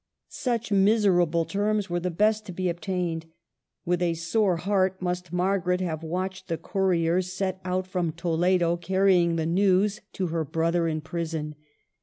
Such miserable terms were the best to be obtained. With a sore heart must Margaret have watched the couriers set out from Toledo, carrying the news to her brother in prison.